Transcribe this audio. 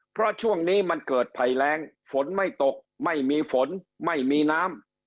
เพราะช่วงนี้มันเกิดภัยแรงฝนไม่ตกไม่มีฝนไม่มีน้ำ